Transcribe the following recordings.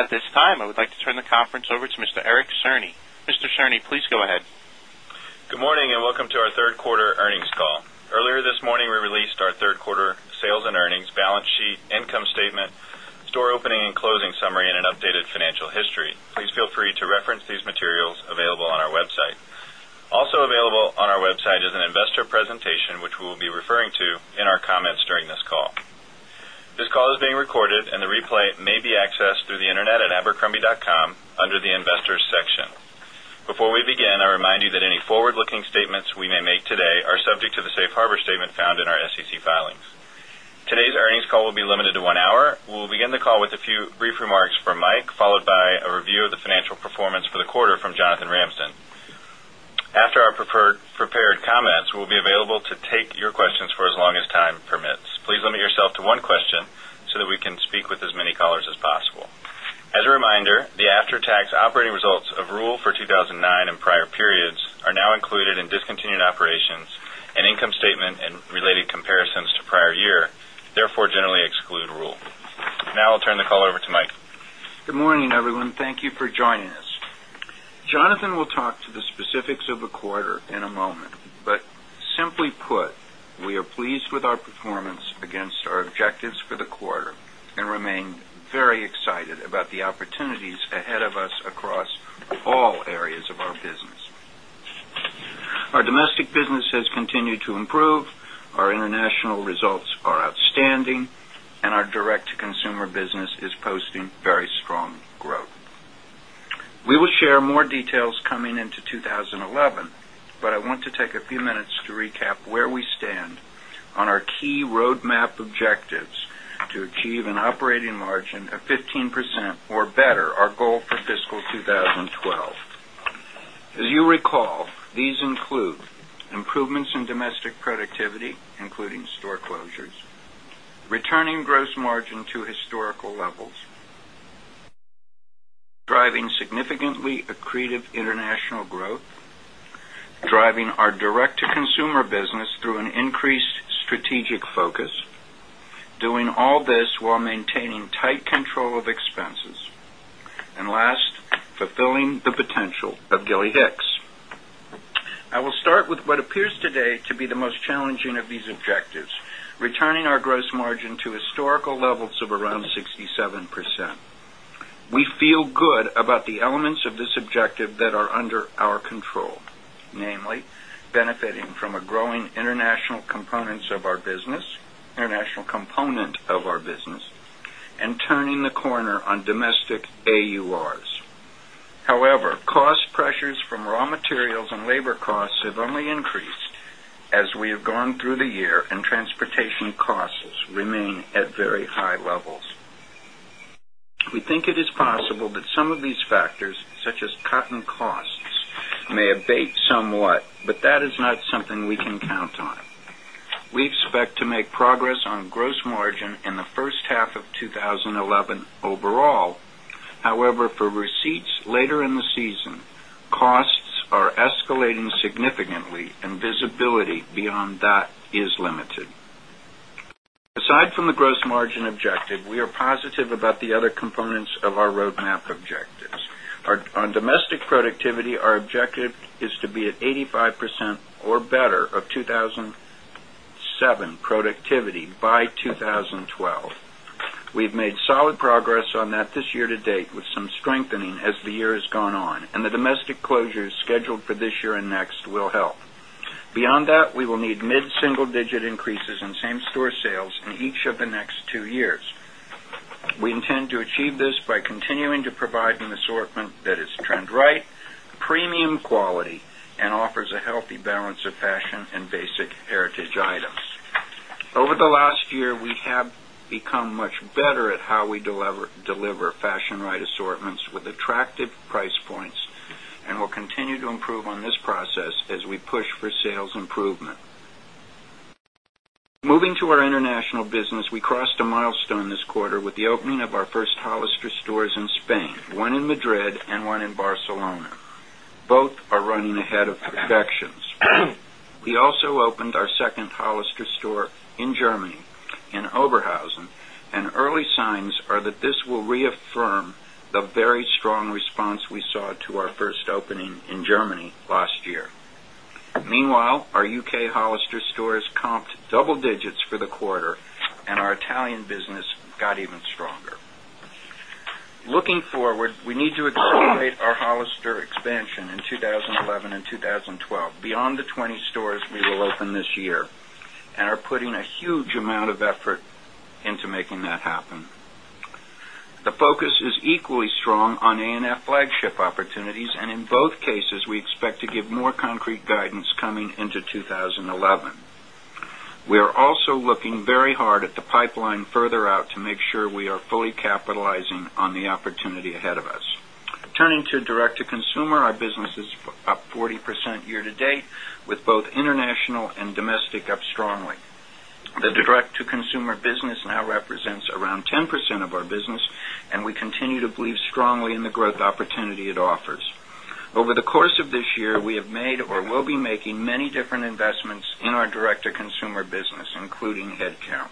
At this time, I would like to turn the conference over to Mr. Eric Cerny. Mr. Cerny, please go ahead. Good morning, and welcome to our Q3 earnings call. Earlier this morning, we released our Q3 sales and earnings balance sheet, income statement, store opening and closing summary and an updated financial history. Please feel free to reference these materials available on our Web site. Also available on our Web site is an investor presentation, which we will be referring to in our comments during this call. This call is being recorded and the replay may be accessed through the Internet at abercrombie.com under the Investors section. Before we begin, I remind you that any forward looking statements we may make today are subject to the Safe Harbor statement found in our SEC filings. Today's earnings call will be limited to 1 hour. We will begin the call with a few brief remarks from Mike, followed by a review of the financial performance for the quarter from Jonathan Ramston. After our prepared comments, we will be available to take your questions for as long as time permits. Please limit yourself to one question so that we can speak with as many callers as possible. As a reminder, the after tax operating results of rule for 2,009 and prior periods are now included in discontinued operations and income statement and related comparisons to prior year, therefore, generally exclude rule. Now, I'll turn the call over to Mike. Thank you, generally exclude rule. Now, I'll turn the call over to Mike. Good morning, everyone. Thank you for joining us. Jonathan will talk to the specifics of the quarter in a moment, but simply put, we are pleased with our performance against our objectives for the quarter and remain very excited about the opportunities the quarter and remain very excited about the opportunities ahead of us across all areas of our business. Our domestic business has continued to improve. Our international results are outstanding and our direct to consumer business is posting very strong growth. We will share more details coming into 2011, but I want to take a few minutes to recap where we stand on our key roadmap objectives to achieve an operating margin of 15% or better our goal for fiscal 2012. As you recall, these include improvements in domestic productivity, including store closures returning gross margin to historical levels driving Gilly Hicks. I will start with what appears today to be the most challenging of these objectives, returning our gross margin to historical levels of around 67%. We feel good about the elements of this objective that are under our control, namely benefiting from a growing international components of our business international component of our business and turning the corner on domestic AURs. However, cost pressures from raw materials and labor costs have only increased as we have gone through the year and transportation costs remain at very high levels. We think it is possible that some of these factors such as cotton costs may abate somewhat, but that is not something we can count on. We expect to make progress on gross margin in the first half of twenty eleven overall. However, for receipts later in the season, costs are escalating significantly and visibility beyond that is limited. Aside from the gross margin objective, we are positive about the other components of our roadmap objectives. On domestic productivity, our objective is to be at 85% or better of 2,007 productivity by 2012. We've made solid progress on that this year to date with some strengthening as the year has gone on and the domestic closures scheduled for this year and next will help. Beyond that, we will need mid single digit increases in same store sales in each of the next 2 years. We intend to achieve this by continuing to provide an assortment that is trend right, premium quality and offers a healthy balance of fashion and basic heritage items. Over the last year, we have become much better at how we deliver fashion right assortments with attractive price points and we'll continue to improve on this process as we push for sales improvement. Moving to our international business, we crossed a milestone this quarter with the opening of our first Hollister stores in Spain, 1 in Madrid and 1 in Barcelona. Both are running ahead of projections. We also opened our 2nd Hollister store in Germany in Oberhausen and early signs are that this will reaffirm the very strong response we saw to our first opening in Germany last year. Meanwhile, our U. K. Hollister stores comped double digits for the quarter and our Italian business got even stronger. Looking forward, we need to accelerate our Hollister expansion in 20 11 2012 beyond the 20 stores we will open this year and are putting a huge amount of effort into making that happen. The focus is equally strong on A and F flagship opportunities The focus is equally strong on A and F flagship opportunities and in both cases, we expect to give more concrete guidance coming into 2011. We are also looking very hard at the pipeline further out to make sure we are fully capitalizing on the opportunity ahead of us. Turning to direct to consumer, our business is up 40% year to date with both international and domestic up strongly. The direct to consumer business now represents around 10% of our business and we continue to believe strongly in the growth opportunity it offers. Over the course of this year, we have made or will be making many different investments in our direct to consumer business, including headcount.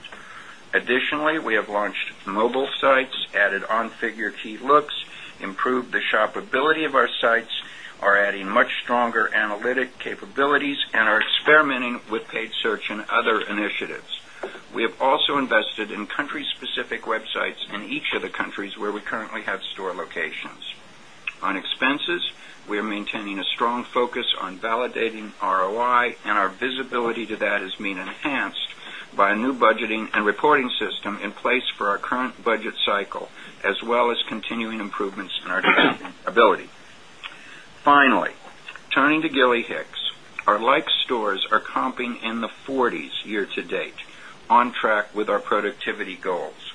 Additionally, we have launched mobile sites, added on figure key looks, improved the shop ability of our sites, are adding much stronger analytic capabilities and are experimenting with paid search and other initiatives. We have also invested in country specific websites in each of the countries where we currently have store locations. On expenses, we are maintaining a strong focus on validating ROI and our visibility to that has been enhanced by a new budgeting and reporting system in place for our current budget cycle as well as continuing improvements in our capability. Finally, turning to Gilly Hicks. Our like stores are comping in the 40s year to date, on track with our productivity goals.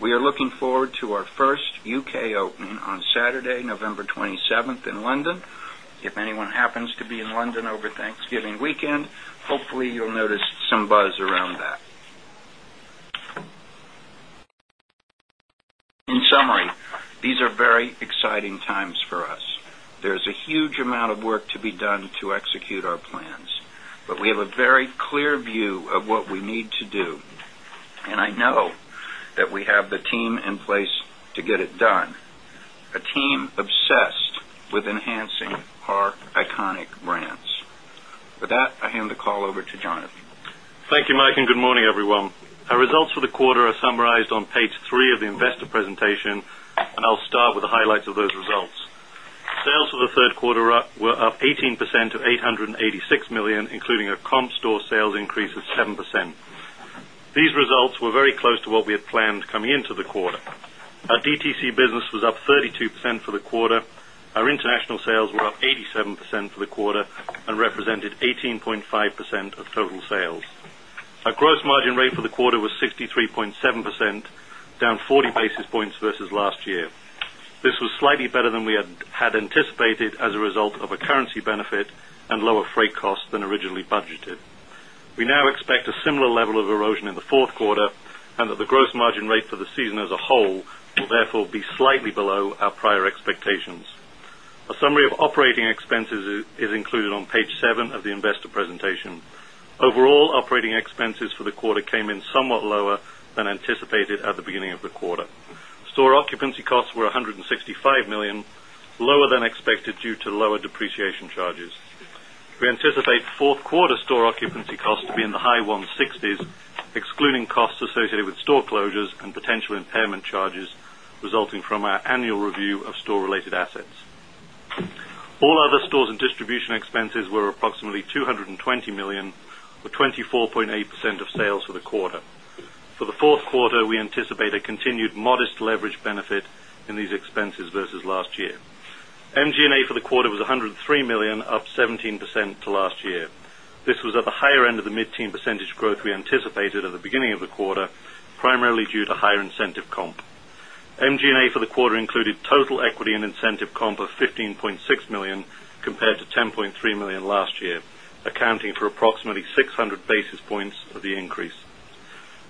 We are looking forward to our 1st U. K. Opening on Saturday, November 27 in London. If anyone happens to be in London over Thanksgiving weekend, hopefully, you'll notice some buzz around that. In summary, these are very exciting times for us. There is a huge amount of work to be done to execute our plans, but we have a very clear view of what we need to do. And I know that we have the team in place to get it done, a team obsessed with enhancing our iconic brands. With that, I hand the call over to Jonathan. Thank you, Mike, and good morning, everyone. Our results for the quarter are summarized on Page 3 of Q3 were up 18% to $886,000,000 including a comp store sales increase of 7%. These results were very close to what we had planned coming into the quarter. Our DTC business was up 32% for the quarter. Our international sales were up 87% for the quarter and represented 18.5% of total sales. Our gross margin rate for the quarter was 63 point 7%, down 40 basis points versus last year. This was slightly better than we had anticipated as a result of a currency benefit and lower freight costs than originally budgeted. We now expect a similar level of erosion in the 4th quarter and that the gross margin rate for the season as a whole will therefore be slightly below our prior expectations. A summary of operating expenses is included on Page 7 of the investor presentation. Overall, operating expenses for the quarter came in somewhat lower than anticipated at the beginning of the quarter. Store occupancy costs were $165,000,000 lower than expected due to lower depreciation charges. We anticipate 4th quarter store occupancy costs to be in the high 160s, excluding costs associated with store closures and potential impairment charges resulting from our annual review of store related assets. All other stores and distribution expenses were approximately $220,000,000 or 24.8 percent of sales for the quarter. For the Q4, we anticipate a continued modest leverage benefit in these expenses versus last year. MG and A for the quarter was $103,000,000 up 17% to last year. This was at the higher end of the mid teen percentage growth we anticipated at the beginning of the quarter, primarily due to higher incentive comp. MG and A for the quarter included total equity and incentive comp of $15,600,000 compared to $300,000 last year, accounting for approximately 600 basis points of the increase.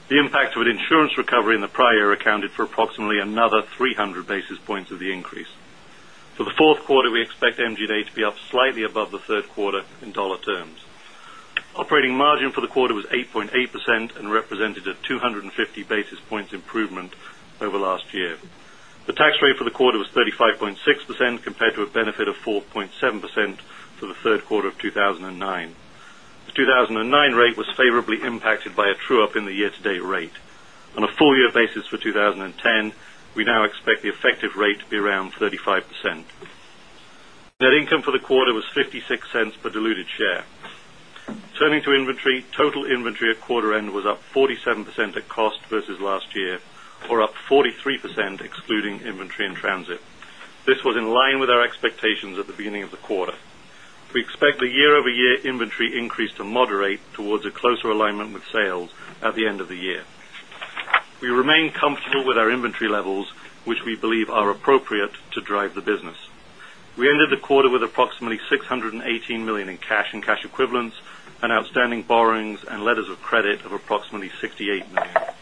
The impact of an insurance recovery in the prior year accounted for approximately another 300 basis points of the increase. For the Q4, we expect MG A to be up slightly above the Q3 in dollar terms. Operating margin for the quarter was 8.8% and represented a 2 50 basis points improvement over last year. The tax rate for the quarter was 35.6% compared to a benefit of 4.7% for the Q3 of 2,009. The 2,009 rate was favorably impacted by a true up in the year to date rate. On a full year basis for 20 10, we now expect the effective rate to be around 35%. Net income for the quarter was $0.56 per diluted share. Turning to inventory. Total inventory at quarter end was up 47% at cost versus last year or up 43 percent excluding inventory in transit. This was in line with our expectations at the beginning of the quarter. We expect the year over year inventory increase to moderate towards a closer alignment with sales at the end of the year. We remain comfortable with our inventory levels, which we believe are appropriate to drive the business. We ended the quarter with approximately $618,000,000 in cash and cash equivalents and outstanding borrowings and letters of credit of approximately $68,000,000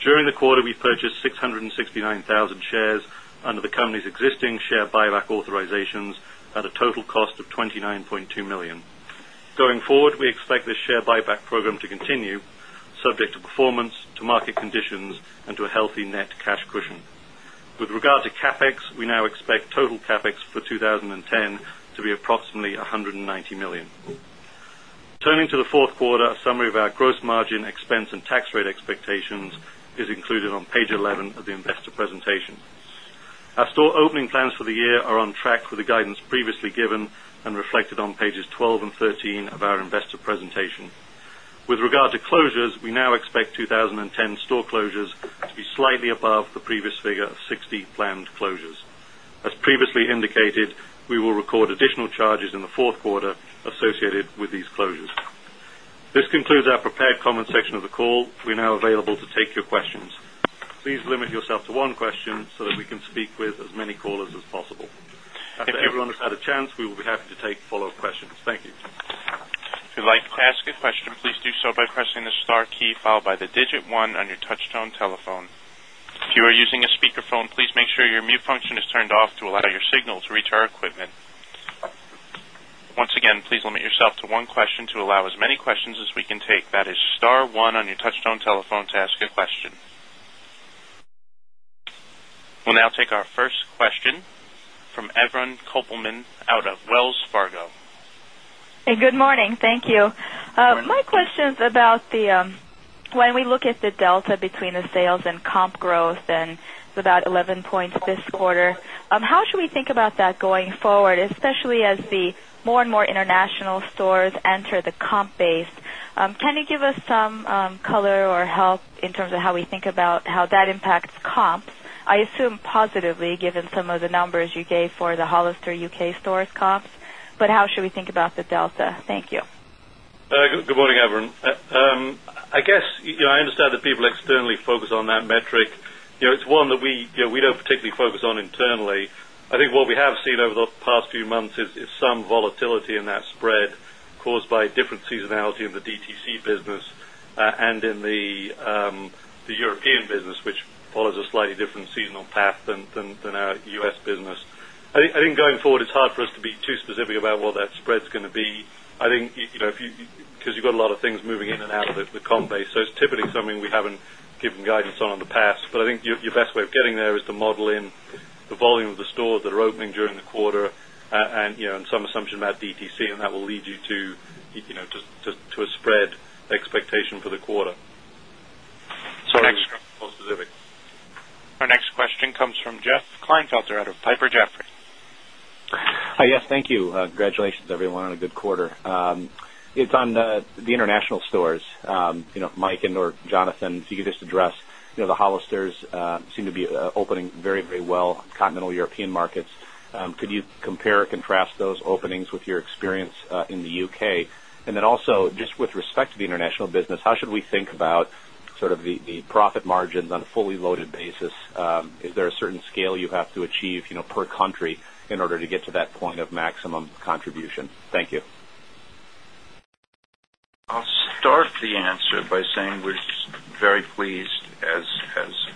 During the quarter, we purchased 669,000 shares under the company's existing share buyback authorizations at a total cost of $29,200,000 Going forward, we expect this share buyback program to continue subject to performance expense and tax rate expectations is included on Page 11 of the investor presentation. Our store opening plans for the year are on track with the guidance previously given and reflected on Pages 1213 of our investor presentation. With regard to closures, we now expect 2010 store closures to be slightly above the previous figure of 60 planned closures. As previously indicated, we will record additional charges in the Q4 associated with these closures. This concludes our prepared comments section of the call. We are now available to take your questions. Please limit yourself to one question so that we can speak with as many callers as possible. I think If everyone has had a chance, we will be happy to take follow-up questions. Thank you. We'll now take our first question from Evron Kopelman out of Wells Fargo. Hey, good morning. Thank you. My question is about the when we look at the delta between the sales and comp growth and it's about 11 points this quarter. How should we think about that going forward, especially as the more and more international stores enter the comp base? Can you give us some color or help in terms of how we think about how that impacts comps? I assume positively given some of the numbers you gave for the Hollister UK stores comps, but how should we think about the delta? Thank you. Good morning, Avren. I guess, I understand that people externally focus on that metric. It's one that we don't particularly focus on internally. I think what we have seen over the past few months is some volatility in that spread caused by different seasonality in the DTC business and in the seasonality in the DTC business and in the European business, which follows a slightly different seasonal path than our U. S. Business. I think going forward, it's hard for us to be too specific about what that spread is going to be. I think if you because you've got a lot of things moving in and out of it with comp base. So it's typically something we haven't given guidance on in the past. But I think your best way of getting there is to model in the volume of the stores that are opening during the quarter and some assumption about DTC and that will lead you to a spread expectation for the quarter. Our next question comes from Jeff Klinefelter out of Piper Jaffray. Hi, yes. Thank you. Congratulations everyone on a good quarter. It's on the international stores. Mike and or Jonathan, if you could just address the Hollister's seem to be opening very, very well, Continental European markets. Could you compare or contrast those openings with your experience in the UK? And then also, just with respect to the international business, how should we think about sort of the profit margins on a fully loaded basis? Is there a certain scale you have to achieve per country in order to get to that point of maximum contribution? Thank you. I'll start the answer by saying we're just very pleased, as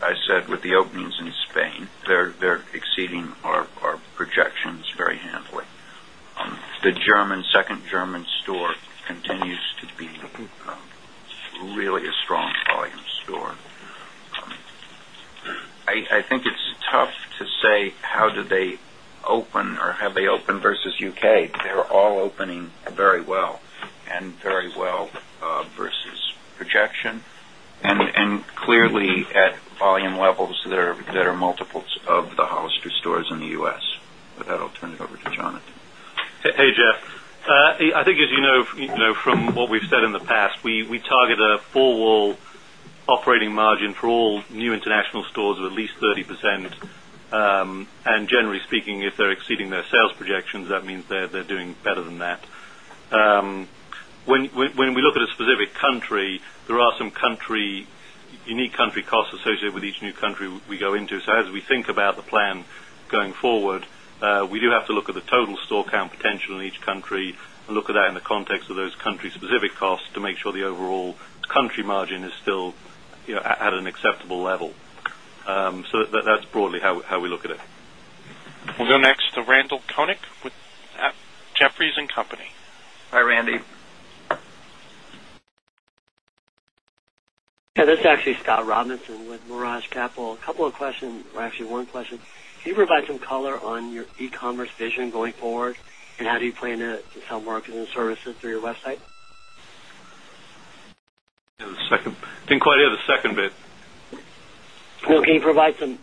I said, with the openings in Spain. They're exceeding our projections very handily. The German second German store continues to be really a strong volume store. I think it's tough to say how do they open or have they opened versus UK. They're all opening very well and very well versus projection. And clearly at volume levels that are multiples of the Hollister stores in the U. S. With that, I'll turn it over to Jonathan. Hey, Jeff. I think as you know from what we've said in the past, we target a 4 wall operating margin for all new international stores of at least 30%. And generally speaking, country unique country costs associated with each new country we go into, unique country costs associated with each new country we go into. So as we think about the plan going forward, we do have to look at the total store count potential in each country and look at that in the context of those country specific costs to make sure the overall country margin is still at an acceptable level. So that's broadly how we look at it. We'll go next to Randall Konik with Jefferies and Company. Hi, Randy. This is actually Scott Robinson with Mirage Capital. A couple of questions or actually one question. Can you provide some color on your e commerce vision going forward? And how do you plan to sell marketing services through your website? The second didn't quite hear the second bit. Can you provide some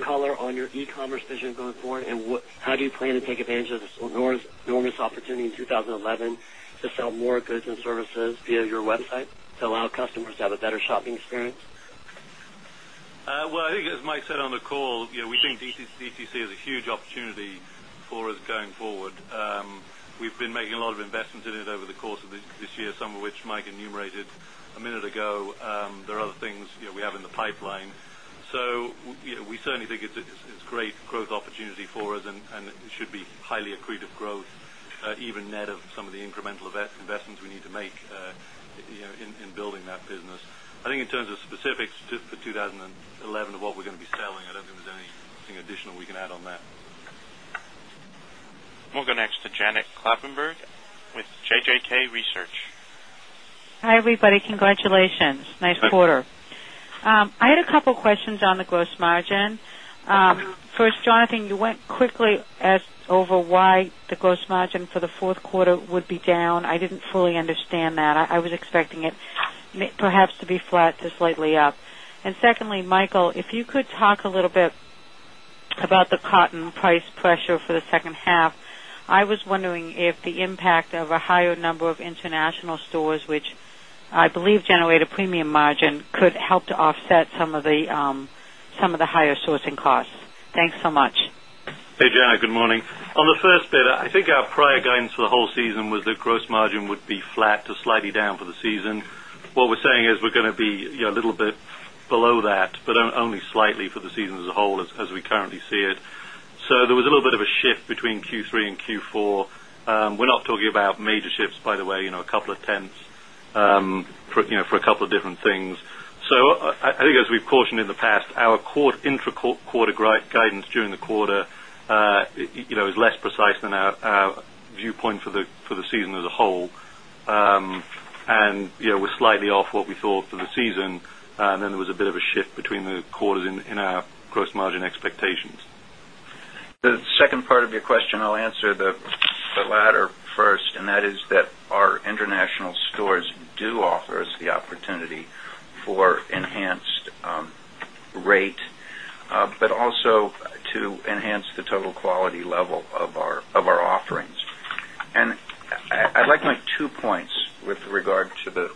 color on your e commerce vision going forward? And what how do you plan to take advantage of this enormous opportunity in 2011 to sell more goods and services via your website to allow customers to have a better shopping experience? Well, I think as Mike said on the call, we think DTC is a huge opportunity for us going forward. We've been making a lot of investments in it over the course of this year, some of which Mike enumerated a minute ago. There are other things we have in the pipeline. So we certainly think it's great growth opportunity for us and it should be highly accretive growth even net of some of the incremental investments we need to make in building that business. I think in terms of specifics for 2011 of what we're going to be selling, I don't think there's anything additional we can add on that. We'll go next to Janet Kloppenburg with JJK Research. Hi, everybody. Congratulations. Nice quarter. I had a couple of questions on the gross margin. First, Jonathan, you went quickly as over why the gross margin for the Q4 would be down. I didn't fully understand that. I was expecting it perhaps to be flat to slightly up. And secondly, Michael, if you could talk a little bit about the cotton price pressure for the second half. I was wondering if the impact of a higher number of international stores, which I believe generate a premium margin could help to offset some of the higher sourcing costs? Thanks so much. Hey, Janet. Good morning. On the first bit, I think our prior guidance for the whole season was that gross margin would be flat to slightly down for the season. What we're saying is we're going to be a little bit below that, but only slightly for the season as a whole as we currently see it. So there was a little bit of a shift between Q3 and Q4. We're not talking about major shifts, by the way, a couple of tenths for a couple of different things. So I think as we've cautioned in the past, our core intra quarter guidance during the quarter is less precise than our viewpoint for the season as a whole. And we're slightly off what we thought for the season. And then there was a bit of shift between the quarters in our gross margin expectations. The second part of your question, I'll answer the latter first and that is that our international stores do offer us the opportunity for enhanced rate, but also to enhance the total quality level of our offerings. And I'd like to make 2 points with regard to the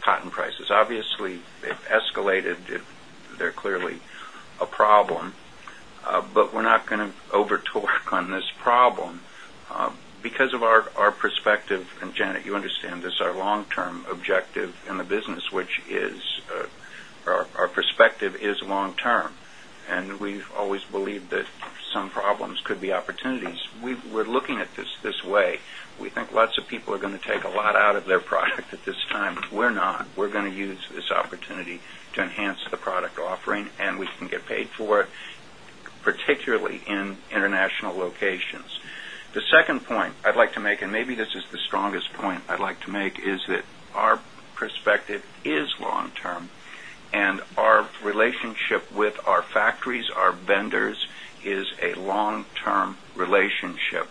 cotton prices. Obviously, they've escalated. They're clearly a problem, but we're not going to overtalk on this problem because of our perspective. And Janet, you understand this, our long term objective in the business, which is our perspective is long term. And we've always believed that some problems could be opportunities. We're looking at this this way. We think lots of people are going to take a lot out of their product at this time. We're not. We're going to use this opportunity to enhance the product offering and we can get paid for it, particularly in international locations. The second point I'd like to make and maybe this is the strongest point I'd like to make is that our perspective is long term and our relationship with our factories, our vendors is a long term relationship.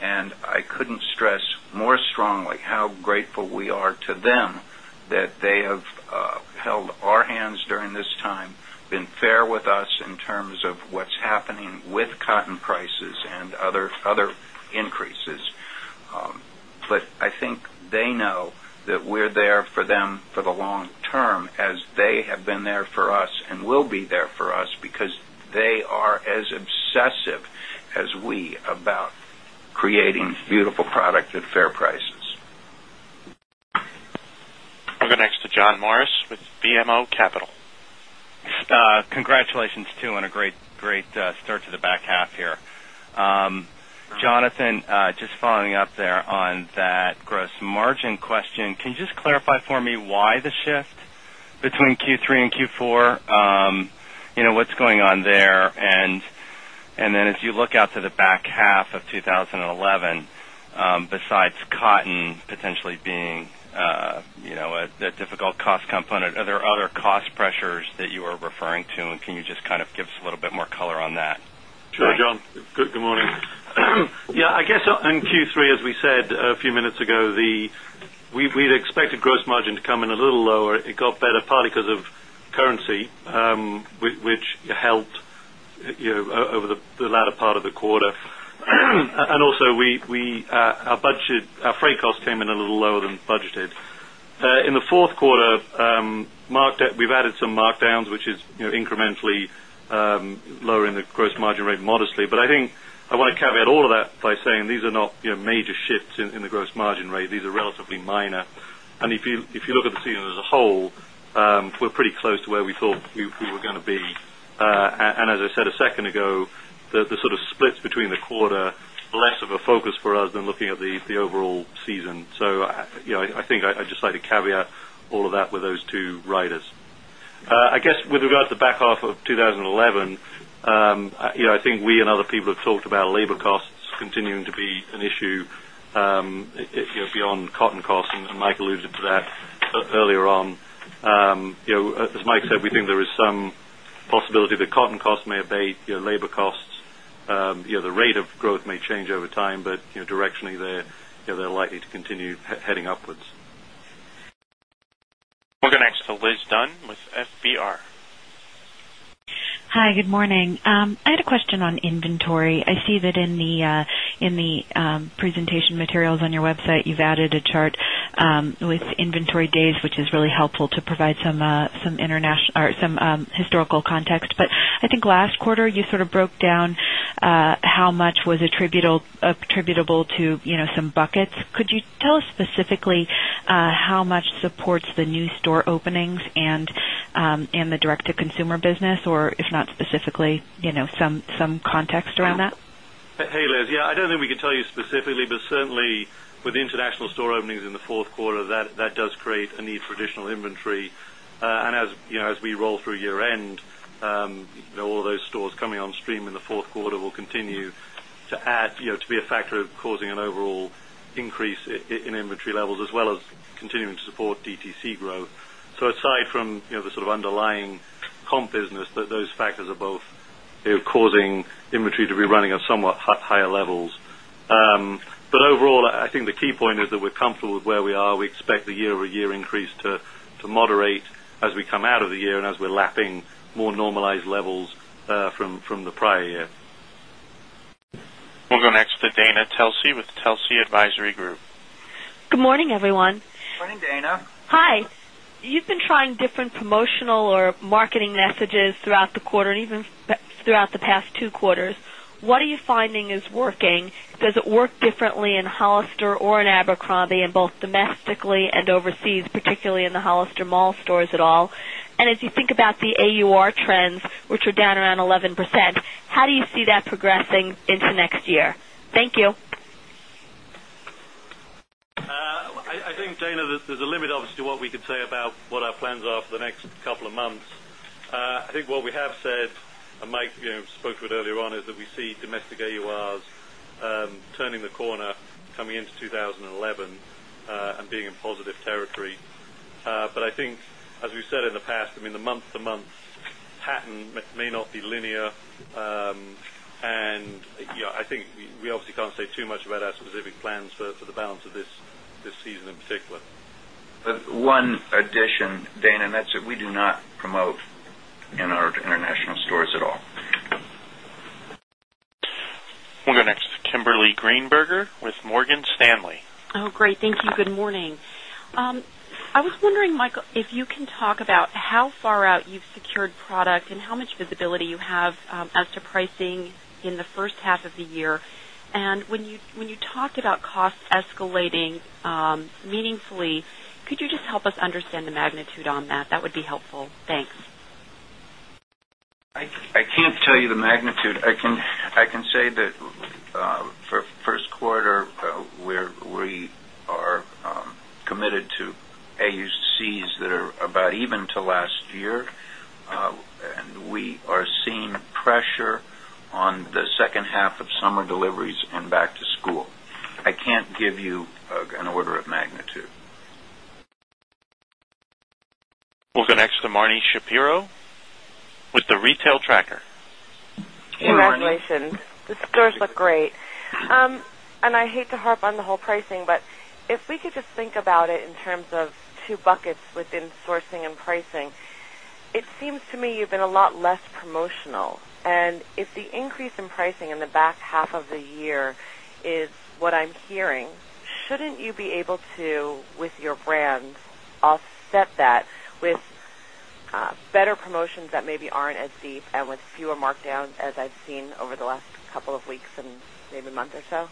And I couldn't stress more strongly how grateful we are to them that they have held our hands during this time, been fair with us in terms of what's happening with cotton prices and other increases. But I think they know that we're there for them for the long term as they have been there for us and will be there for us because they are as obsessive as we about creating beautiful products at fair prices. We'll go next to John Morris with BMO Capital. Congratulations too on a great start to the back half here. Jonathan, just following up there on that gross margin question. Can you just clarify for me why the shift between Q3 and Q4? What's going on there? And then as you look out to the back half of twenty eleven, besides cotton potentially being a difficult cost component? Are there other cost pressures that you are referring to? And can you just kind of give us a little bit more color on that? Sure, John. Good morning. Yes, I guess in Q3, as we said a few minutes ago, we'd expected gross margin to come in a little lower. It got better partly because of currency, which helped over the latter part of the quarter. And also we our budget our freight costs came in a little lower than budgeted. In the Q4, we've added some markdowns, which is incrementally lowering the gross margin rate modestly. But I think I want to caveat all of that by saying these are not major shifts in the gross margin rate. These are relatively minor. And if you look at the season as a whole, we're pretty close to where we thought we were going to be. And as I said a second ago, the sort of split split between the quarter, less of a focus for us than looking at the overall season. So I think I'd just like to caveat all of that with those 2 riders. I guess with regards to back half of twenty 11, I think we and other people have talked about labor costs continuing to be an issue beyond cotton costs, and Mike alluded to that earlier on. As Mike said, we think there is some possibility that cotton costs may abate, labor costs, the rate of growth may change over time, but directionally they're likely to continue heading upwards. We'll go next to Liz Dunn with FBR. Hi, good morning. I had a question on inventory. I see that in the presentation materials on your website, you've added a chart with inventory days, which is really helpful to provide some historical context. But I think last quarter, you sort of broke down how much was attributable to some buckets. Could you tell us specifically how much supports the new store openings and the direct to consumer business or if not specifically some context around that? Hey, Liz. Yes, I don't think we can tell you specifically, but certainly with the international store openings in the Q4 that does create a need for additional inventory. And as we roll through year end, all those stores coming on stream in the Q4 will continue to add to a factor of causing an overall increase in inventory levels as well as continuing to support DTC growth. So aside from the sort of underlying comp business, those factors are both causing inventory to be running at somewhat higher levels. But overall, I think the key point is that we're comfortable with where we are. We expect the year over year increase to moderate as we come out of the year and as we're lapping more normalized levels from the prior year. We'll go next to Dana Telsey with Telsey Advisory Group. Good morning, everyone. Good morning, Dana. Hi. You've been trying different promotional or marketing messages throughout the quarter and even throughout the past 2 quarters. What are you finding is working? Does it work differently in Hollister or in Abercrombie in both domestically and overseas, particularly in the Hollister Mall stores at all? And as you think about the AUR trends, which were down around 11%, how do you see that progressing into next year? Thank you. I think, Dana, there's a limit obviously to what we could say about what our plans are for the next couple of months. I think what we have said, and Mike spoke to it earlier on, is that we see domestic AURs turning the corner coming into 2011 and being in positive territory. But I think, as we've said in the past, I mean, the month to month patent may not be linear. And I think we obviously can't say too much about our specific plans for the balance of this season in particular. One addition, Dane, and that's it. We do not promote in our international stores at all. We'll go next to Kimberly Greenberger with Morgan Stanley. Great. Thank you. Good morning. I was wondering, Michael, if you can talk about how far out you've secured product and how much visibility you have as to pricing in the first half of the year? And when you talk about costs escalating meaningfully, could you help us understand the magnitude on that? That would be helpful. Thanks. I can't tell you the magnitude. I can say that for Q1, we are committed to AUCs that are about even to last year. And we are seeing pressure on the second half of summer deliveries and back to school. I can't give you an order of magnitude. We'll go next to Marni Shapiro with the Retail Tracker. Congratulations. The scores look great. And I hate to harp on the whole pricing, but if we could just think about it in terms of 2 buckets within sourcing and pricing, it seems to me you've been a lot less promotional. And if the increase in pricing in the back half of the year is what I'm hearing, shouldn't you be able to, with your brand, offset that with better promotions that maybe aren't as deep and with fewer markdowns as I've seen over the last couple of weeks and maybe a month or so?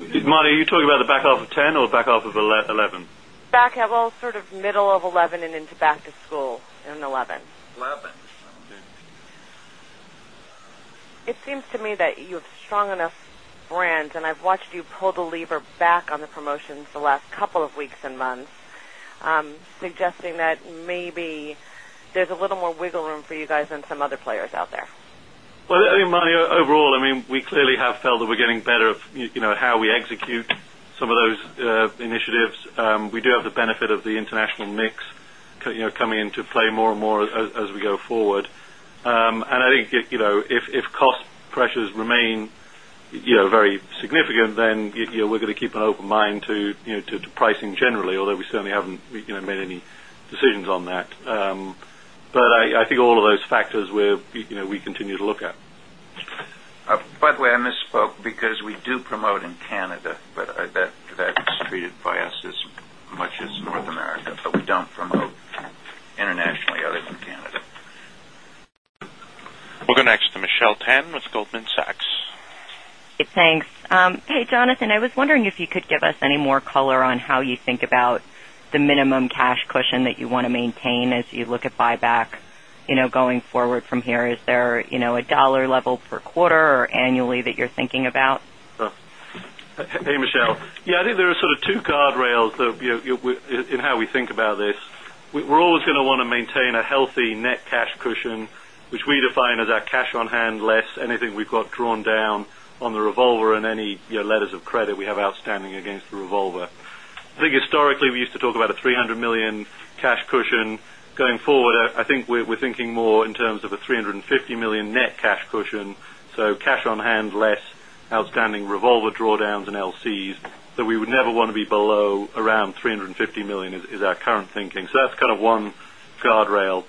Marta, are you talking about the back half of 10 or back half of 11%? Back half, well, sort of middle of 11% and into back to school in 11%. 11%. It seems to me that you have strong enough brands and I've watched you pull the lever back on the promotions the last couple of weeks months, suggesting that maybe there's a little more wiggle room for you guys than some other players out there? Well, I mean, Manny, overall, I mean, we clearly have felt that we're getting better at how we execute some of those initiatives. We do have the benefit of the international mix coming into play more and more as we go forward. And I think if cost pressures remain very significant, then we're going to keep an open mind to pricing generally, although we certainly haven't made any decisions on that. But I think all of those factors we continue to look at. By the way, I misspoke because we do promote in Canada, but that's treated by us as much as North America, but we don't promote internationally other than Canada. We'll go next to Michelle Tan with Goldman Sachs. Hey, Jonathan, I was wondering if you could give us any more color on how you think about the minimum cash cushion that you want to maintain as you look at buyback going forward from here? Is there a dollar level per quarter or annually that you're thinking about? Hey, Michelle. Yes, I think there are sort of 2 guardrails in how we think about this. We're always going to want to maintain a healthy net cash cushion, which we define as our cash on hand less anything we've got drawn down on the revolver and any letters of credit we have outstanding against the revolver. I think historically, we used to talk about a $300,000,000 cash cushion. Going forward, I think we're thinking more in terms of a $350,000,000 net cash cushion. So cash on hand, less outstanding revolver drawdowns and LCs. So we would never want to be below around $350,000,000 is our current thinking. So that's kind of one guardrail.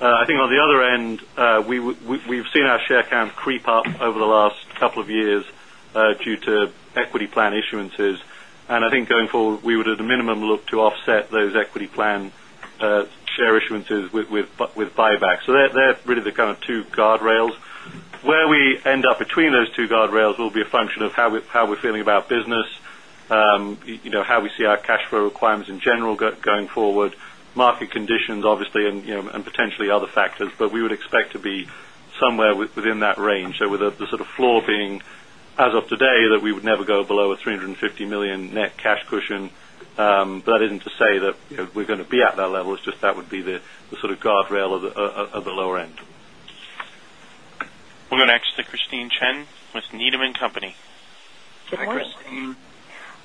I think on the other end, we've seen our share count creep up over the last couple of years due to equity plan issuances. And I think going forward, we would at a minimum look to offset those equity plan share issuances with buybacks. So they're really the kind of 2 guardrails. Where we end up between those 2 guardrails will be a function of how we're feeling about business, how we see our cash flow requirements in general going forward, market conditions obviously and potentially other factors, but we would expect to be somewhere within that range. So with the sort of floor being as of today that we would never go below a €350,000,000 net cash cushion. That isn't to say that we're going to be at that level. It's just that would be the sort of guardrail of the lower end. We'll go next to Christine Chen with Needham and Company.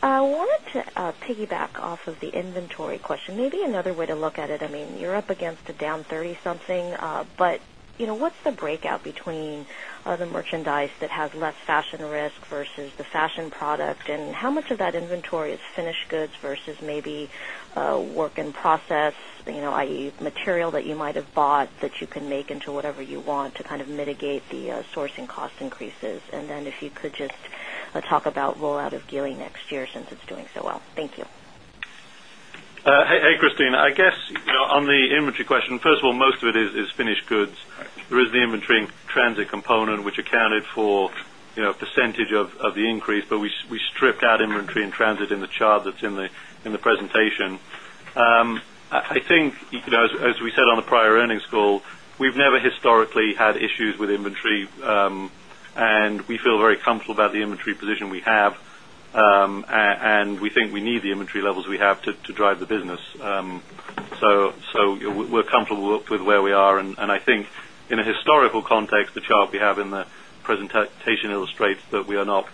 I wanted to piggyback off of the inventory question. Maybe another way to look at it, I mean, you're up against the down 30 something, but what's the breakout between other merchandise that has less fashion risk versus the fashion product? And how much of that inventory is finished goods versus maybe work in process, I. E. Material that you might have bought that you can make into whatever you want to kind of mitigate the sourcing cost increases? And then if you could just talk about rollout of Geely next year since it's doing so well? Thank you. Hey, Christine. I guess, on the inventory question, first of all, most of it is finished goods. There is the inventory in transit component, which accounted for percentage of the increase, but we stripped out inventory in transit in the chart that's in the presentation. I think as we said on the prior earnings call, we've never historically had issues with inventory and we feel very comfortable about the inventory position we have. And we think we need the inventory levels we have to drive the business. So we're comfortable with where we are. And I think in a historical context, the chart we have in the presentation illustrates that we are not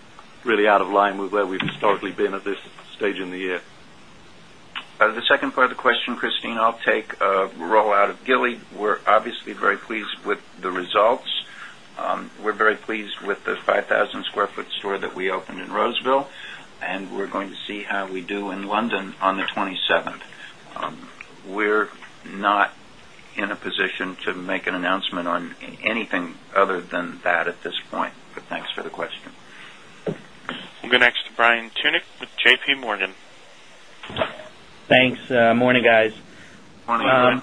out of line with where we've historically been at this stage in the year. The second part of the question, Christine, I'll take rollout of Gilly. We're obviously very pleased with the results. We're very pleased with the 5,000 square foot store that we opened in Roseville and we're going to see how we do in London on 27. We're not in a position to make an announcement on anything other than that at this point. But thanks for the question. We'll go next to Brian Tunic with JPMorgan. Thanks. Good morning, guys. Good morning,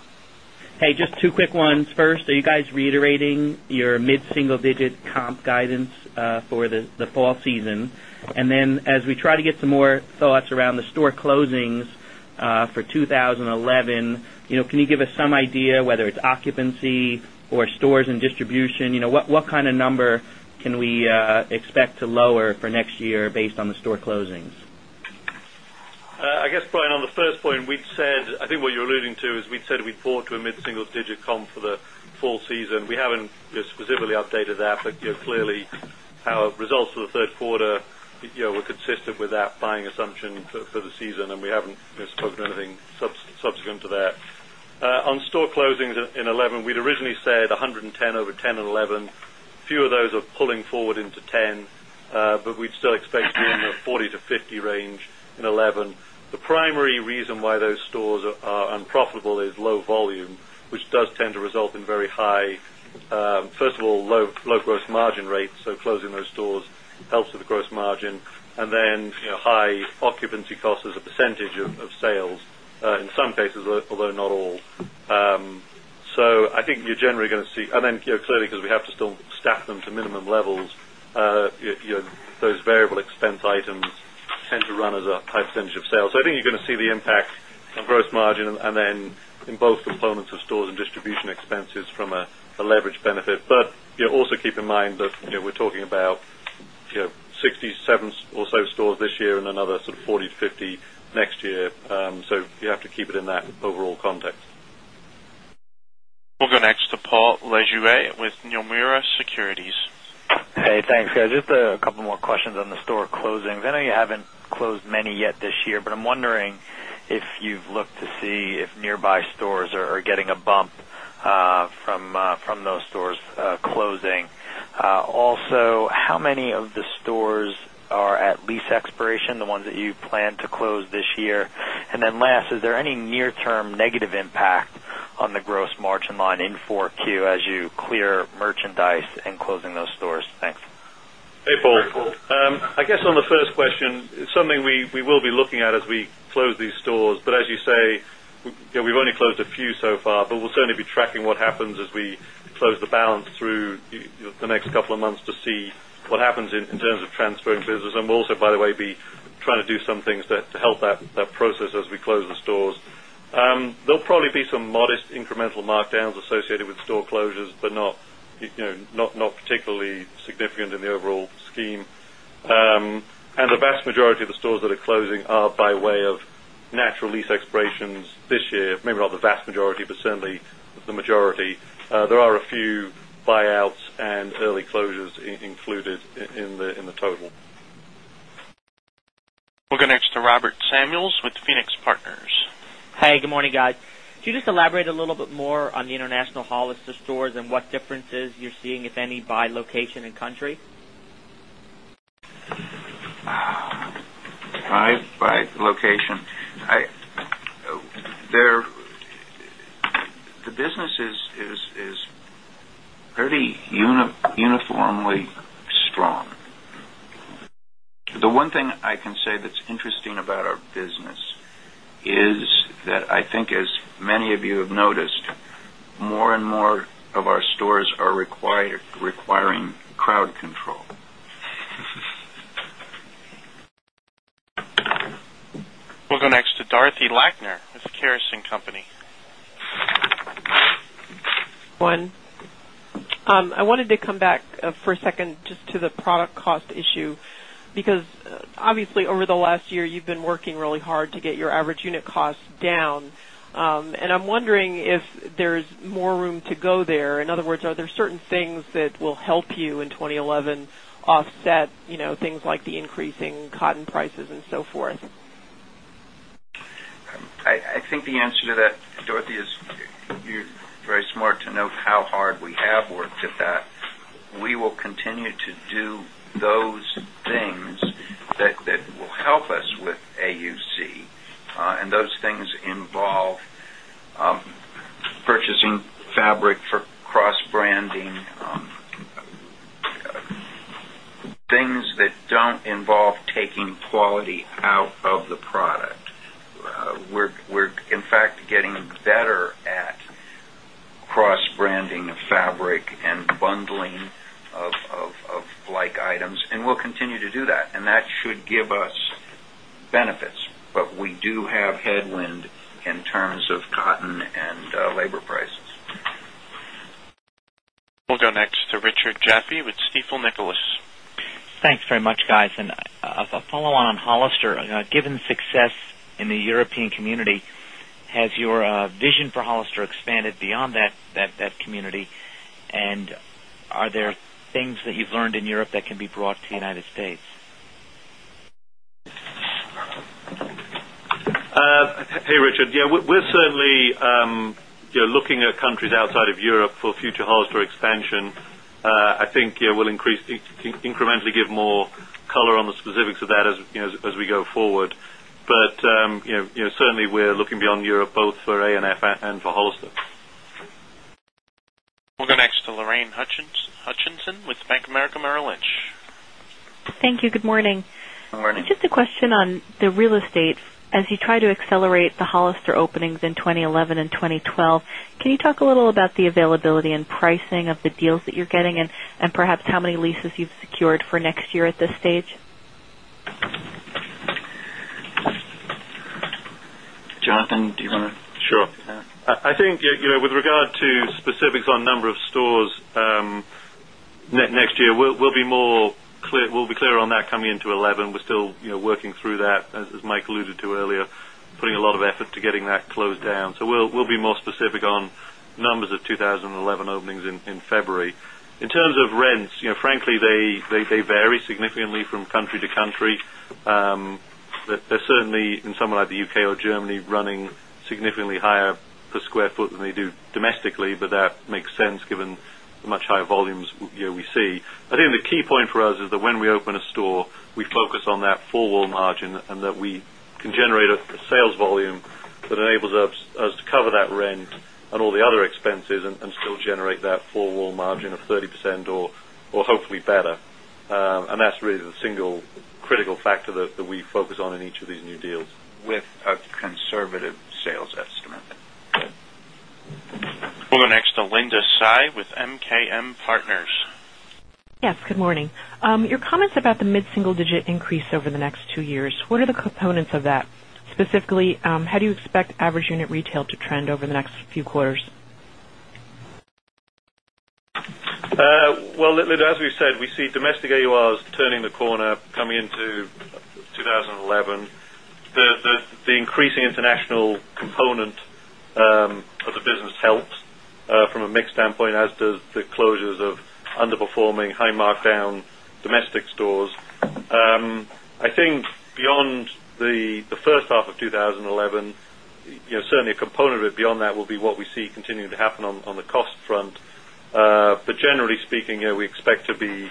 Brian. Hey, just two quick ones. First, are you guys reiterating your mid single digit comp guidance for the fall season? And then as we try to get some more thoughts around the store closings for 2011, can you give us some idea whether it's occupancy or stores and distribution? What kind of number can we expect to lower for next year based on the store closings? I guess, Brian, on the first point, we've said, I think what you're alluding to is we've said we bought to a mid single digit comp for the fall season. We haven't specifically updated that, but clearly our results for the Q3 were consistent with that buying assumption for the season and we haven't spoken to anything subsequent to that. On store closings in '11, we'd originally said 110 over 1011, few of those are pulling forward into 10, but we'd still expect to be in the 40 to 50 range in 'eleven. The primary reason why those stores are unprofitable is low volume, which does tend to result in very high, first of all, low gross margin rates. So closing those stores helps with the gross margin and then high occupancy costs as a percentage of sales in some cases, although not all. So I think you're generally going to see and then clearly because we have to still stack them to minimum levels, those variable expense items tend to run as a high percentage of sales. So I think you're going to see the impact on gross margin and then in both components of stores and distribution expenses from a leverage benefit. But also keep in mind that we're talking about 67 or so stores this year and another sort of 40 to 50 next year. So you have to keep it in that overall context. We'll go next to Paul Lejuez with Nomura Securities. Hey, thanks guys. Just a couple more questions on the store closings. I know you haven't closed many yet this year, but I'm wondering if you've looked to see if nearby stores are getting a bump from those stores closing. Also, how many of the stores are at lease expiration, the ones that you plan to close this year? And then last, is there any near term negative impact on the gross margin line in 4Q as you clear merchandise and closing those stores? Thanks. Hey, Paul. I guess on the first question, it's something we will be looking at as we close these stores. But as you say, we've only closed a few so far, but we'll certainly be tracking what happens as we close the balance through the next couple of months to see what happens in terms of transfer business and also by the way be trying to do some things to help that process as we close the stores. There will probably be some modest incremental markdowns associated with store closures, but not particularly significant in the overall scheme. And the vast majority of the stores that are closing are by way of natural lease expirations this year, maybe not the vast majority, but certainly the majority. There are a few buyouts and early closures included in the total. We'll go next to Robert Samuels with Phoenix Partners. Hi, good morning, guys. Could you just elaborate a little bit more on the international Hollister stores and what differences you're seeing if any by location and country? By location, the business is pretty uniformly strong. The one thing I can say that's interesting about our business is that I think as many of you have noticed, more and more of our stores are requiring crowd control. We'll go next to Dorothy Lachner with Kerrison Company. I wanted to come back for a second just to the product cost issue because obviously over the last year you've been working really hard to get your average unit cost down. And I'm wondering if there's more room to go there. In other words, are there certain things that will help you in 2011 offset things like the increasing cotton prices and so forth? I think the answer to that, Dorothy, is very smart to note how hard we have worked at that. We will continue to do those things that will help us with AUC. And those things involve purchasing better at cross branding of fabric and bundling of like items and we'll continue to do that and that should give us benefits. But we do have headwind in terms of cotton and labor terms of cotton and labor prices. We'll go next to Richard Jaffe with Stifel Nicolaus. Thanks very much guys. And a follow on Hollister, given success in the European community, has your vision for Hollister expanded beyond that community? And are there things that you've learned in Europe that can be brought to United States? Hey, Richard. Yes, we're certainly looking at countries outside of Europe for future Hollister expansion. I think we'll increase incrementally give more color on the specifics of that as we go forward. But certainly, we're looking beyond Europe both for A and F and for Hollister. We'll go next to Lorraine Hutchinson with Bank of America Merrill Lynch. Thank you. Good morning. Good morning. Just a question on the real estate. As you try to accelerate the Hollister openings in 20112012, can you talk a little about the availability and pricing of the deals that you're getting and perhaps how many leases you've secured for next year at this stage? Jonathan, do you want to Sure. I think with regard to specifics on number of stores next year, we'll be more clear we'll be clear on that coming into We're still working through that, as Mike alluded to earlier, putting a lot of effort to getting that closed down. So we'll be more specific on numbers of 2011 openings in February. In terms of rents, frankly, they vary significantly from country to country. They're certainly in some like the UK or Germany running significantly higher per square foot than they do domestically, but that makes sense given the much higher volumes we see. I think the key point for us is that when we open a store, we focus on that 4 wall margin and that we can generate a sales volume that enables us to cover that rent and all the other expenses and still generate that 4 wall margin of 30% or hopefully better. And that's really the single critical factor that we focus on in each of these new deals. With a conservative sales estimate. We'll go next to Linda Tsai with MKM Partners. Yes, good morning. Your comments about the mid single digit increase over the next 2 years, what are the components of that? Specifically, how do you expect average unit retail to trend over the next few quarters? Well, as we said, we see domestic AURs turning the corner coming into 2011. The increasing international component of the business helps from a mix standpoint as does the closures of underperforming high markdown domestic stores. I think beyond the first half of twenty eleven, certainly a component beyond that will be what we see continuing to happen on the cost front. But generally speaking, we expect to be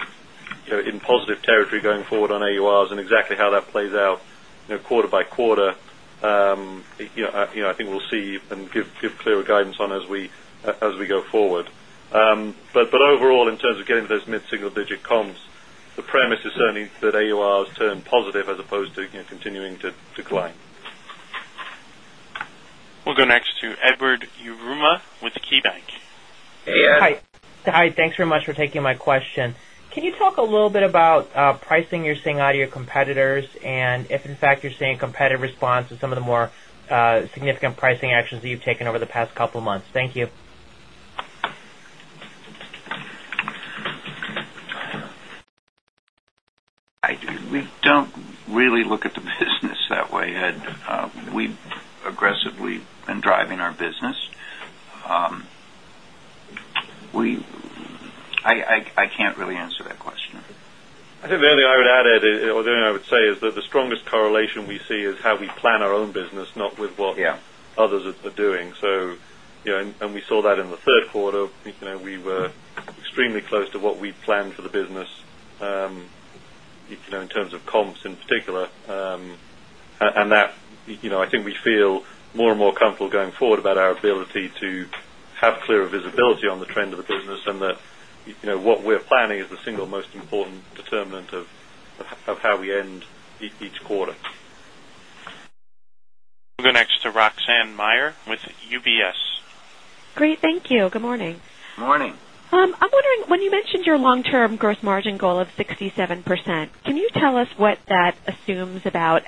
in positive territory going forward on AURs and exactly how that plays out quarter by quarter. I think we'll see and give clearer guidance on as we go forward. But overall, in terms of getting those mid single digit comps, the premise is certainly that AURs turn positive as opposed to continuing to decline. We'll go next to Edward Yruma with KeyBanc. Hi, thanks very much for taking my question. Can you talk a little bit about pricing you're seeing out of your competitors? And if in fact you're seeing competitive response to some of the more significant pricing actions that you've taken over the past couple of months? Thank you. We don't really look at the business that way, Ed. We've aggressively been driving our business. I can't really answer that question. I think the only thing I would add, Ed, or the only thing I would say is that the strongest correlation we see is how we plan our own business, not with what others are doing. So and we saw that in the 3rd quarter. We were extremely close to what we planned for the business in terms of comps in particular. And that, I think we feel more and more comfortable going forward about our ability to have clearer visibility on the trend of business and that what we're planning is the single most important determinant of how we end each quarter. We'll go next to Roxanne Meyer with UBS. Great. Thank you. Good morning. Good morning. I'm wondering when you mentioned your long term gross margin goal of 67%, can you tell us what that assumes about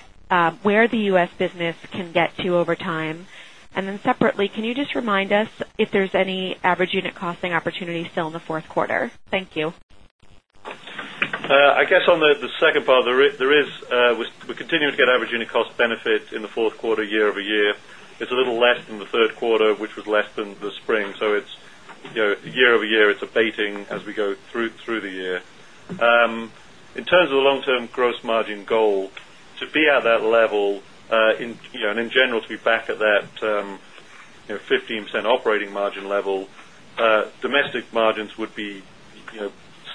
where the U. S. Business can get to over time? And then separately, can you just remind us if there's any average unit costing opportunities still in the Q4? Thank you. I guess on the second part, there is we continue to get average unit cost benefit in the Q4 year over year. It's a little less than the Q3, which was less than the spring. So it's year over year, it's abating as we go through the year. In terms of the long term gross margin goal, to be at that level and in general to be back at that 15% operating margin level, domestic margins would be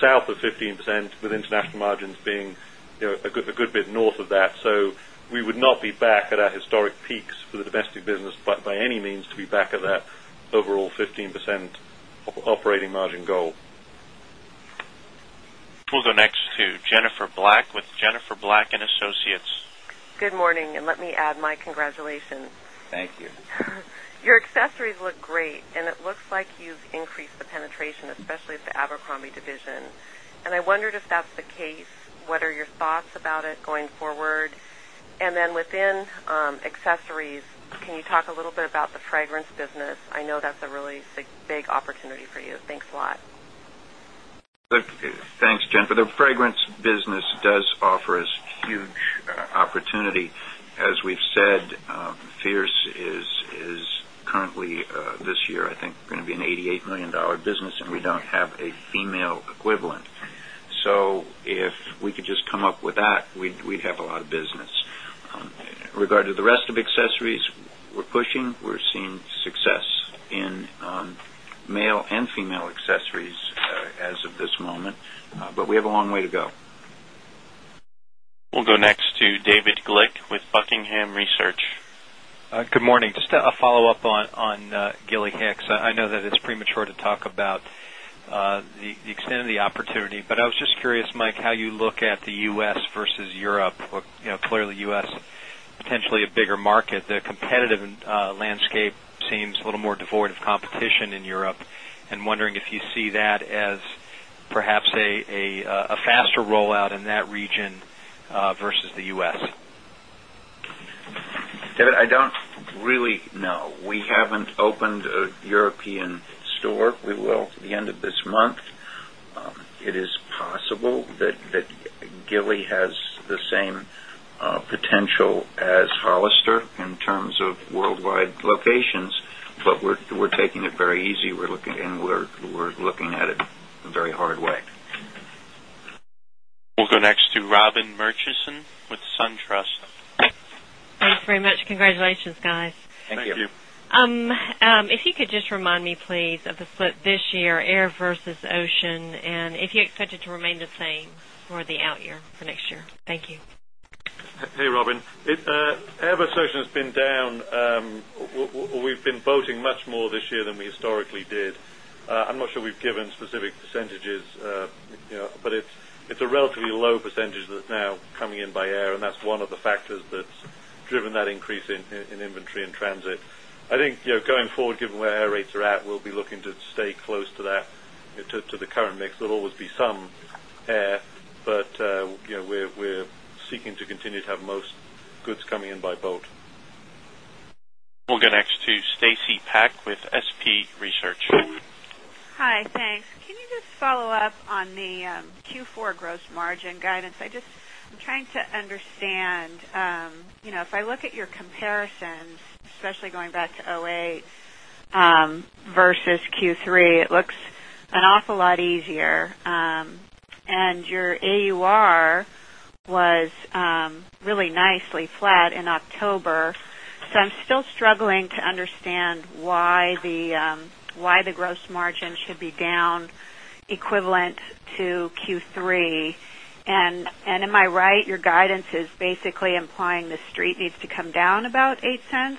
south of 15% with international margins being a good bit north of that. So we would not be back at our historic peaks for the domestic business, but by any means to be back at that overall 15% operating margin goal. We'll go next to Jennifer Black with Jennifer Black and Associates. Good morning and let me add my congratulations. Thank you. Your accessories look great and it looks like you've increased the penetration especially at the Abercrombie division. And I wondered if that's the case, what are your thoughts about it going forward? And then within accessories, can you talk a little bit about the fragrance business? I know that's a really big opportunity for you. Thanks a lot. Thanks, Jennifer. The fragrance business does offer us huge opportunity. As we've said, Fierce is currently this year, I think, going to be an $88,000,000 business and we don't have a female equivalent. So, if we could just come up with that, we'd have a lot of business. Regarding to David Glick with Buckingham Research. Good morning. Just a follow-up on Gilly Hicks. I know that it's premature to talk about the extent of the opportunity, but I was just curious, Mike, how you look at the U. S. Versus Europe, clearly U. S. Potentially a bigger market, the competitive landscape seems a little more devoid of competition in Europe. And wondering if you see that as perhaps a faster rollout in that region versus the U. S? Rollout in that region versus the U. S? David, I don't really know. We haven't opened a European store. We will at the end of this month. It is possible that Gilly has the same potential as Hollister in terms of worldwide locations, but we're taking it very easy. We're looking and we're looking at it in a very hard way. We'll go next to Robin Murchison with SunTrust. Thanks very much. Congratulations, guys. Thank you. If you could just remind me please of the split this year air versus ocean and if you expect it to remain the same for the out year for next year? Thank you. Hey, Robin. Air versus ocean has been down. We've been boating much more this year than we historically did. I'm not sure we've given specific percentages, but it's a relatively low percentage that's now coming in by air and that's one of the factors that's driven that increase in inventory in transit. I think going forward given where air rates are at, we'll be looking to stay close to that to the current mix. There always be some, but we're seeking to continue to have most goods coming in by boat. We'll go next to Stacy Pack with SP Research. Hi, thanks. Versus Q3, it looks an awful lot easier. And your AUR was really nicely flat in October. So I'm still struggling to understand why the gross margin should be down equivalent to Q3. And am I right, your guidance is basically implying the Street needs to come down about $0.08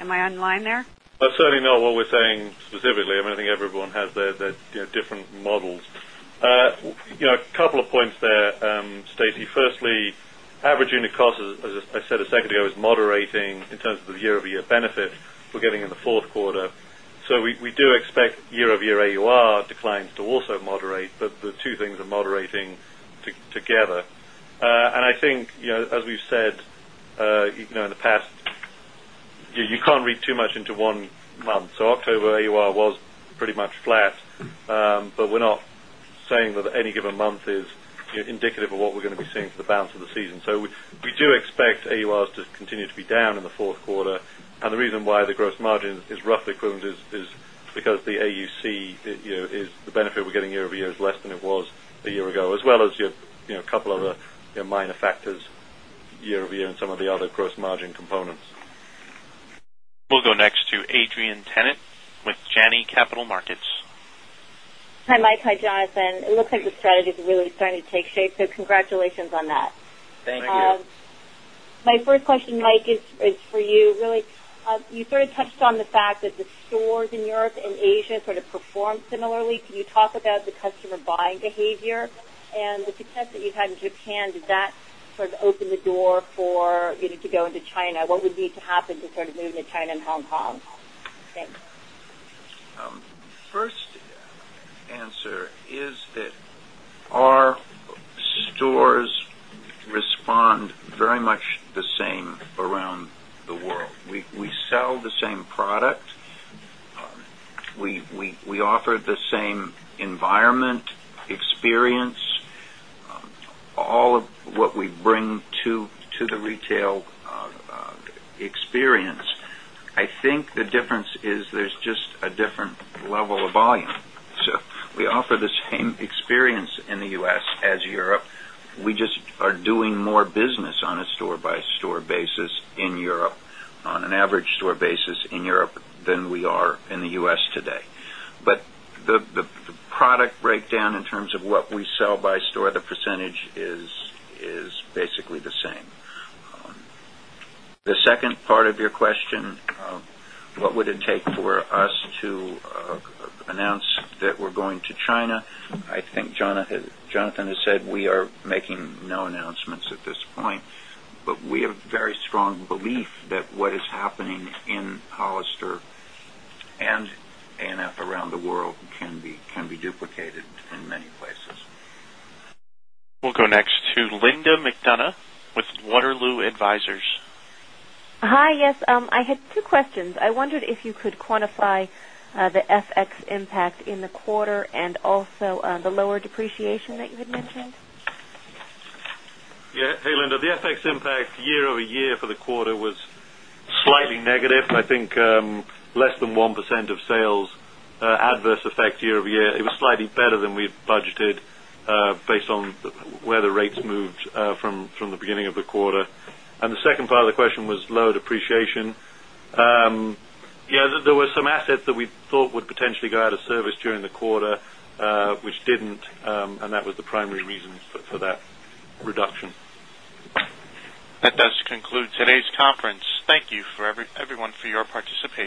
Am I in line there? Certainly not. What we're saying specifically, I mean, I think everyone has their different models. A couple of points there, Stacy. Firstly, average unit costs, as I said a second ago, is moderating in terms of the year over year benefit we're getting in the 4th read too much into one month. So October AUR was pretty much flat, but we're not saying that any given month is indicative of what we're going to be seeing for the balance of the season. So we do expect AURs to continue to be down in the Q4. And the reason why the gross margin is roughly equivalent is because the AUC is the benefit we're getting year over year is less than it was a year ago, as well as a couple of the minor factors year over year and some of the other gross margin components. We'll go next to Adrienne Tennant with Janney Capital Markets. Hi, Mike. Hi, Jonathan. It looks like the strategy is really starting to take shape. So congratulations on that. Thank you. My first question, Mike, is for you. Really, you sort of touched on the fact that the stores in Europe and Asia sort of performed similarly. Can you talk about the customer buying behavior? And with the test that you've had in Japan, does that sort of open the door for you to go into China? What would need to happen to sort of move to China and Hong Kong? Thanks. First answer is that our stores respond very much the same experience, all of what we bring to the retail experience. I think the difference is there's just a different level of volume. So we offer the same experience in the U. S. As Europe. We just are doing more business on a store by store basis in Europe on an average store basis in Europe than we are in the U. S. Today. The product breakdown in terms of what we sell by store, the percentage is basically the same. The second part of your question, what would it take for us to announce that we're going to China? I think Jonathan has said we are making no announcements at this point. But we have very strong belief that what is happening in Hollister and A and F around the world can be duplicated in many places. We'll go next to Linda McDonough with Waterloo Advisors. Hi. Yes, I had two questions. I wondered if you could quantify the FX impact in the quarter and also the lower depreciation that you had mentioned? Yes. Hey, Linda, the FX impact year over year for the quarter was slightly negative. I think less than one percent of sales adverse effect year over year. It was slightly better than we've budgeted based on where the rates moved from the beginning of the quarter. And the second part of the question was lower depreciation. Yes, there were some assets that we thought would potentially go out of service during the quarter, which didn't and that was the primary reason for that reduction. That conclude today's conference. Thank you everyone for your participation.